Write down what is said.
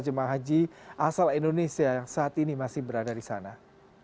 jemaah haji yang diberikan penerbangan di makkah dan madinah